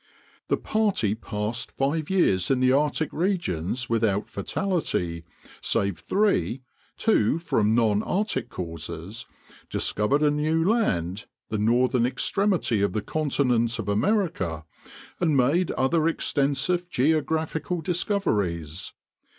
The party passed five years in the Arctic regions without fatality, save three (two from non Arctic causes), discovered a new land, the northern extremity of the continent of America, and made other extensive geographical discoveries.